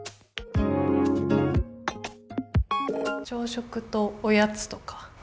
朝食とおやつとか。